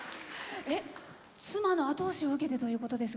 妻の後押しを受けてということですが。